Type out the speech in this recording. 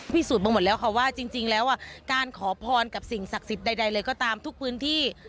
สูจนมาหมดแล้วค่ะว่าจริงแล้วการขอพรกับสิ่งศักดิ์สิทธิ์ใดเลยก็ตามทุกพื้นที่